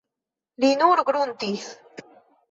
Li nur gruntis.